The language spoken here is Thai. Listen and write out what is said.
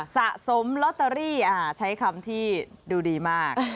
สะสมลอตเตอรี่ใช้คำที่ดูดีมาก